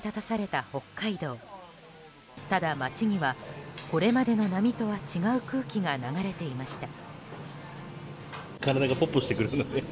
ただ街にはこれまでの波とは違う空気が流れていました。